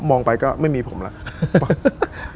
ก็ก็เมั่นมายหัวผมแล้ว